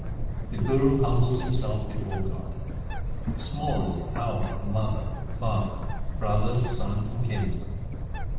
The Guru humbles himself before God : Small is the power of mother, father, brother, son, and kinsman.